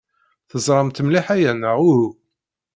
Teẓramt mliḥ aya, neɣ uhu?